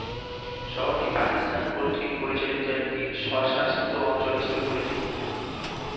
শহরটি পাকিস্তান কর্তৃক পরিচালিত একটি স্বশাসিত অঞ্চল হিসেবে পরিচিত।